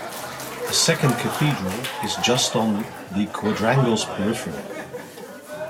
A second cathedral is just on the Quadrangle's periphery.